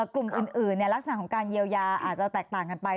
กลุ่มอื่นลักษณะของการเยียวยาอาจจะแตกต่างกันไป